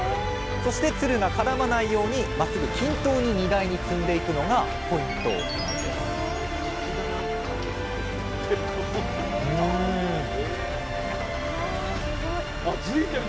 そしてつるが絡まないようにまっすぐ均等に荷台に積んでいくのがポイントなんですわすごい。あっついてる